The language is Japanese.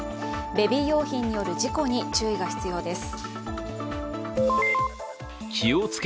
ベビー用品による事故に注意が必要です。